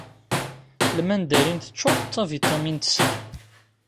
Lmandarin teččuṛ d tabiṭamint C.